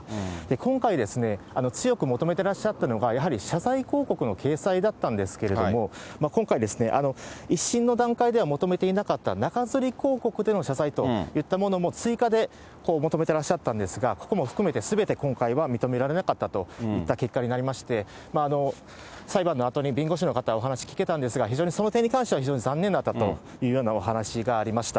今回、強く求めてらっしゃったのが、やはり謝罪広告の掲載だったんですけれども、今回ですね、１審の段階では求めていなかった中づり広告での謝罪といったものも、追加で求めてらっしゃったんですが、ここも含めてすべて今回は認められなかったといった結果になりまして、裁判のあとに弁護士の方、お話聞けたんですが、非常にその点に関しては、非常に残念だったというようなお話がありました。